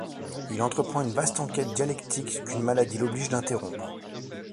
Il entreprend une vaste enquête dialectale qu'une maladie l'oblige d'interrompre.